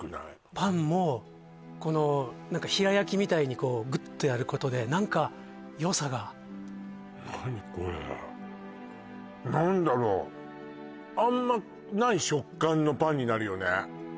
パンもこの何か平焼きみたいにこうグッとやることで何かよさが何これ何だろうのパンになるよね